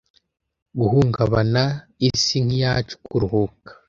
Guhungabana, isi nkiyacu, kuruhuka